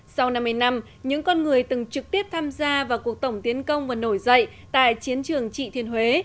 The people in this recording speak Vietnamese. sau năm mươi năm những con người từng trực tiếp tham gia vào cuộc tổng tiến công và nổi dậy tại chiến trường trị thiên huế